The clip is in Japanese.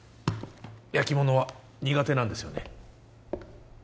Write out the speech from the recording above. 焼き物は苦手なんですよね